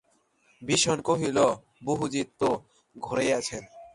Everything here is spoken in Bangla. বিষন কহিল, বহুজি তো ঘরেই আছেন।